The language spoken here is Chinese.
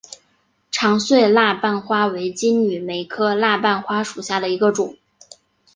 长穗蜡瓣花为金缕梅科蜡瓣花属下的一个种。